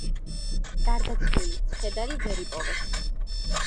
გარდაცვლილის ცხედარი ვერ იპოვეს.